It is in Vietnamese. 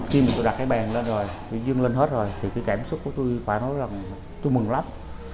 khi mình tôi đặt cái bàn lên rồi dương lên hết rồi thì cái cảm xúc của tôi phải nói là tôi mừng lắm